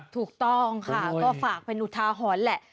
ถูกต้องค่ะก็ฝากเป็นอุทาหรณ์แหละ